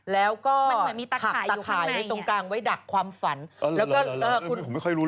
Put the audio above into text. แล้วก็ถักตะข่ายอยู่ข้างในอัลล่าผมไม่ค่อยรู้เรื่องอะไรดูสิ